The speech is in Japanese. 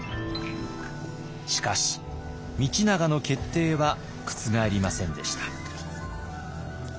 しかし道長の決定は覆りませんでした。